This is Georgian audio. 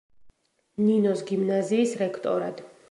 ნინოს გიმნაზიის რექტორად.